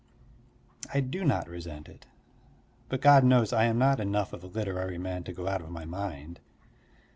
I do not resent it: but God knows I am not enough of a literary man to go out of my mind.